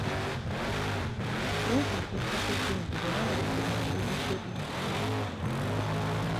Weetaaga ettaka eddungi bw'oba waakulima ebintu ebinaavaamu ssente.